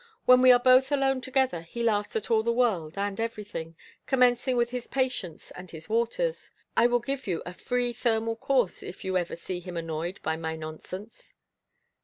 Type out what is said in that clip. When we are both alone together, he laughs at all the world and everything, commencing with his patients and his waters. I will give you a free thermal course if you ever see him annoyed by my nonsense."